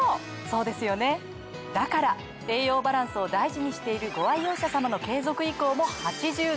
そうですよねだから栄養バランスを大事にしているご愛用者様の継続意向も８７％！